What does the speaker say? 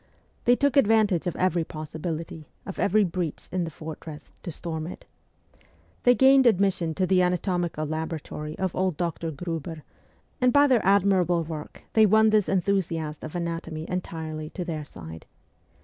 They took advantage of every possibility, of every breach in the fortress, to storm it. They gained admission to the anatomical laboratory of old Dr. Gruber, and by their admirable work they won this enthusiast of anatomy entirely to their side.